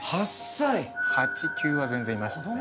８９は全然いましたね。